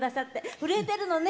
震えてるのね。